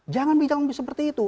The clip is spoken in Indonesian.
jangan bilang seperti itu